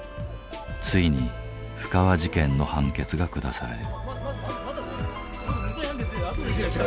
ついに布川事件の判決が下される。